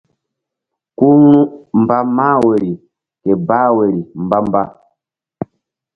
Ku ru̧ mba mah woyri ke bah woyri mba-mba.